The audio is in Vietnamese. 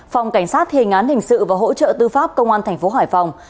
phòng cảnh sát thề ngán hình sự và hỗ trợ tư pháp công an tp hải phòng